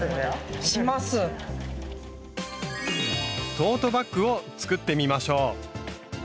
トートバッグを作ってみましょう。